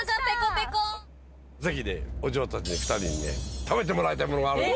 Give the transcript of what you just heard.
ぜひお嬢たち２人にね食べてもらいたいものがある。